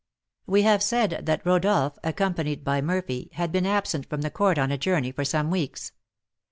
We have said that Rodolph, accompanied by Murphy, had been absent from the court on a journey for some weeks.